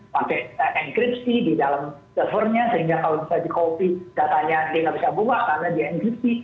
pakai enkripsi di dalam selfernya sehingga kalau misalnya di copy datanya dia nggak bisa buka karena dia nctv